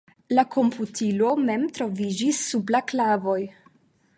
La komputilo mem troviĝis sub la klavoj.